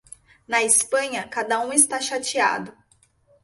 Na Espanha, cada um está chateado.